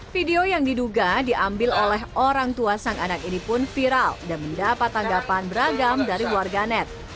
video yang diduga diambil oleh orang tua sang anak ini pun viral dan mendapat tanggapan beragam dari warganet